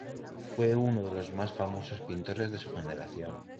Fue uno de los más famosos pintores de su generación.